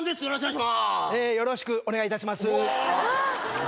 よろしくお願いいたしますぅ。